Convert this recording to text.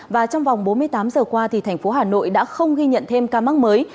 và trong vòng bốn mươi tám giờ qua thành phố hà nội đã không ghi nhận thêm ca mắc mới